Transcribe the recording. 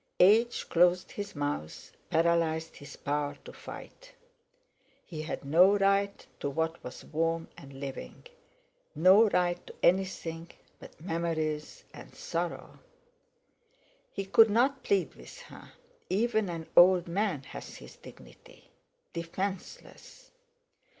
Age closed his mouth, paralysed his power to fight. He had no right to what was warm and living, no right to anything but memories and sorrow. He could not plead with her; even an old man has his dignity. Defenceless!